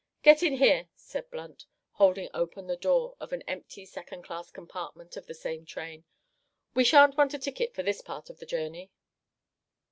"Get in here," said Blunt, holding open the door of an empty second class compartment of the same train; "we shan't want a ticket for this part of the journey."